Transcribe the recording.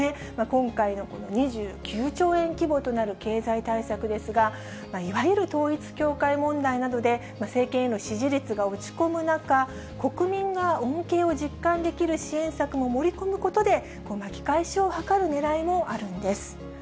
今回の２９兆円規模となる経済対策ですが、いわゆる統一教会問題などで、政権への支持率が落ち込む中、国民が恩恵を実感できる支援策も盛り込むことで、巻き返しを図るねらいもあるんです。